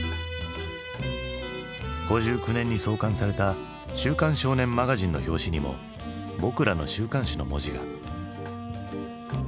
５９年に創刊された「週刊少年マガジン」の表紙にも「ぼくらの週刊誌」の文字が。